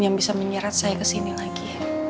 yang bisa menyerat saya ke sini lagi